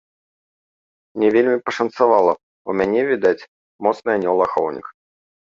Мне вельмі пашанцавала, у мяне, відаць, моцны анёл-ахоўнік.